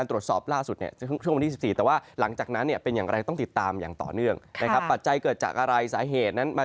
ถูกต้องมีการคาดการณ์ว่าอาจจะดิ่งไว้